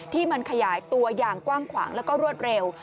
ที่มันขยายตัวอย่างกว้างขวางแล้วก็รวดเร็ว